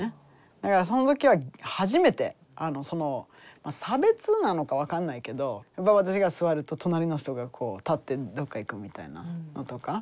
だからその時は初めて差別なのか分かんないけど私が座ると隣の人が立ってどっか行くみたいなのとか。